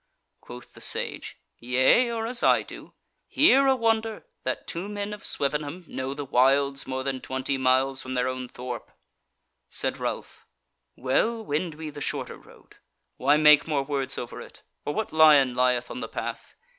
Quoth the Sage: "Yea, or as I do. Hear a wonder! that two men of Swevenham know the wilds more than twenty miles from their own thorp." Said Ralph: "Well, wend we the shorter road; why make more words over it? Or what lion lieth on the path?